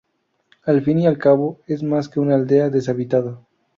Al fin y al cabo, es más que una aldea deshabitada.